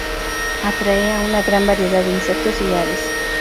Atrae a una gran variedad de insectos y aves.